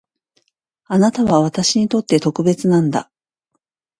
あなたは私にとって特別なんだ